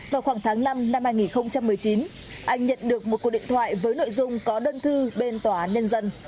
vào khoảng tháng năm năm hai nghìn một mươi chín anh nhận được một cuộc điện thoại với nội dung có đơn thư bên tòa án nhân dân